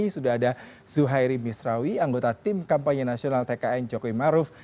sudah ada zuhairi misrawi anggota tim kampanye nasional tkn jokowi maruf